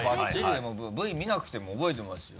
もうＶ見なくても覚えてますよ。